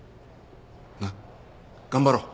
なっ頑張ろう。